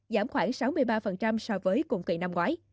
giảm khoảng sáu mươi ba so với cùng kỳ năm ngoái